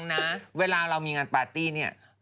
เมื่อเรามีงานปาร์ตี้เนี่ย